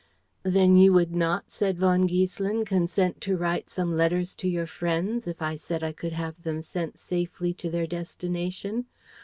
"Then you would not," said von Giesselin, "consent to write some letters to your friends, if I said I could have them sent safely to their destination?